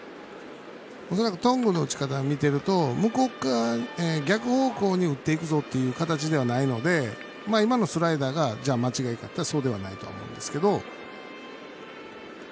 恐らく頓宮の打ち方を見ていますと向こう側、逆方向に打っていくぞという形ではないので今のスライダーがじゃあ、間違いかといったらそうではないと思うんですけど。